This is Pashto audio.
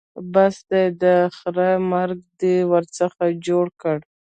بس دی؛ د خره مرګ دې ورڅخه جوړ کړ.